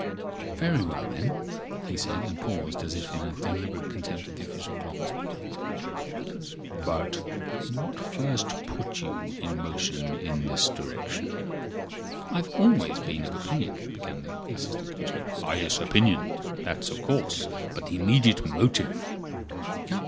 "Very well," he said, and paused, as if in deliberate contempt of the official clock. "But what first put you in motion in this direction?" "I have been always of opinion," began the Assistant Commissioner. "Ah. Yes! Opinion. That's of course. But the immediate motive?"